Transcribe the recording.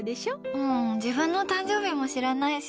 うん、自分の誕生日も知らないし。